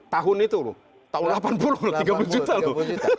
tahun itu loh tahun delapan puluh loh tiga puluh juta loh